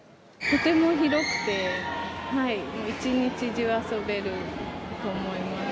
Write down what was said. とても広くて、一日中遊べると思います。